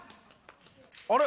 あれ？